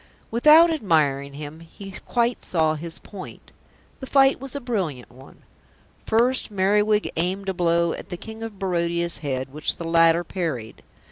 Without admiring him, he quite saw his point. The fight was a brilliant one. First Merriwig aimed a blow at the King of Barodia's head which the latter parried.